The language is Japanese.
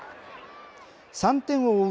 ３点を追う